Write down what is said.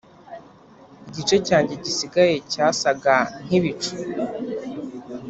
igice cyanjye gisigaye cyasaga nkibicucu.